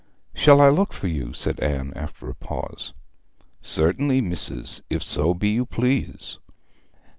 'Shall I look for you?' said Anne, after a pause. 'Certainly, mis'ess, if so be you please.'